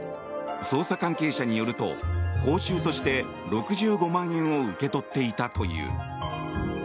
捜査関係者によると報酬として６５万円を受け取っていたという。